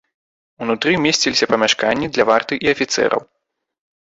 Унутры месціліся памяшканні для варты і афіцэраў.